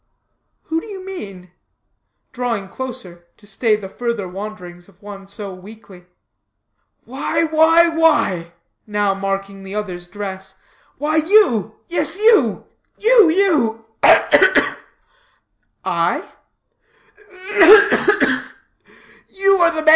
"Who do you mean?" drawing closer, to stay the further wanderings of one so weakly. "Why, why, why," now marking the other's dress, "why you, yes you you, you ugh, ugh, ugh!" "I?"